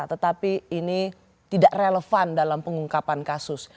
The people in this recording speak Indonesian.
tetapi ini tidak relevan dalam pengungkapan kasus